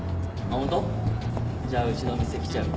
ホント？じゃあうちの店来ちゃう？